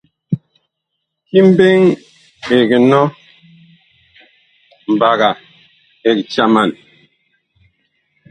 Ki mbeŋ ɛg nɔ, mbaga ɛg.